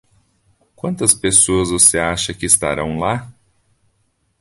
Quantas pessoas você acha que estarão lá?